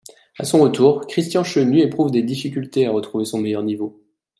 À son retour, Christian Chenu éprouve des difficultés à retrouver son meilleur niveau.